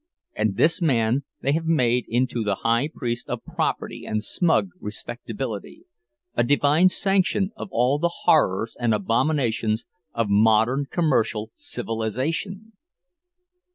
And this man they have made into the high priest of property and smug respectability, a divine sanction of all the horrors and abominations of modern commercial civilization!